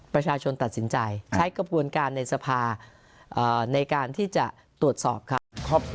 ประชาชนตัดสินใจใช้กระบวนการในสภาในการที่จะตรวจสอบครับ